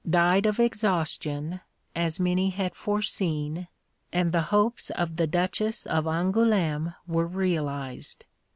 died of exhaustion, as many had foreseen, and the hopes of the Duchess of Angoulême were realised.